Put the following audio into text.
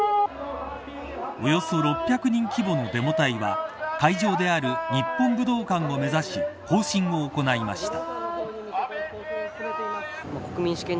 およそ６００人規模のデモ隊は会場である日本武道館を目指し行進を行いました。